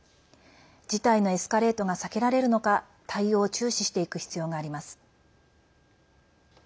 事態のエスカレートが避けられるのか対応を注視していく必要があります。